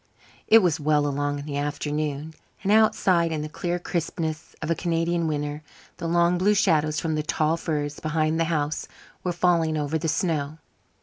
It was well along in the afternoon, and outside, in the clear crispness of a Canadian winter, the long blue shadows from the tall firs behind the house were falling over the snow.